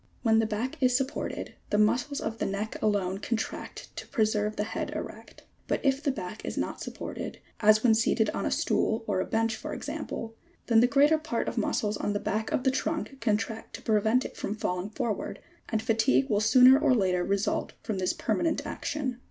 When the back is supported, the mus cles of the neck alone contract to preserve the head erect ; but if the back is not supported (as when seated on a stool or a bench for example) then the greater part of muscles on the back of the trunk contract to prevent it from falling forward, and fatigue will sooner or later result from this permanent action.